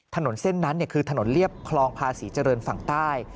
ถนนเส้นนั้นคือถนนเรียบคลองภาษีเจริญฝั่งใต้